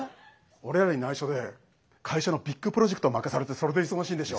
俺らにないしょで会社のビッグプロジェクトを任されてそれで忙しいんでしょ。